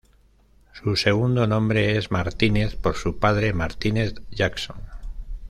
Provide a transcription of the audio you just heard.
Su segundo nombre es Martínez por su padre, Martínez Jackson.